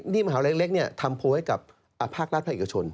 นี่มหาวเล็กเนี่ยทำโพลให้กับภาคราชพระเอกชน